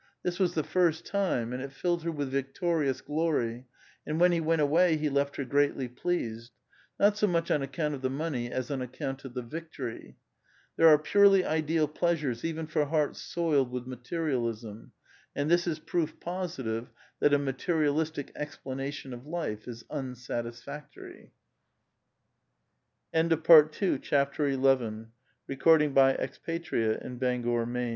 This was the first time, and it filled her with victorious glory, and when he went away he left her greatly pleased ; not so much on account of the money as on account of the victory. There are purely ideal pleasures even for hearts soiled with materialism, and this is proof positive, that a materialistic explanation of life is unsatis factory.